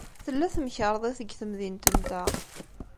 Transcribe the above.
Tella temkarḍit deg temdint-nteɣ.